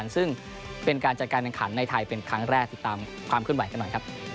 ซึ่งเป็นการจัดการแข่งขันในไทยเป็นครั้งแรกตัวตามความขึ้นใหว่กันหน่อย